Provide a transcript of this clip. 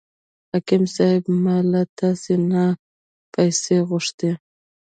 حاکم صاحب ما له تاسې نه پیسې غوښتې.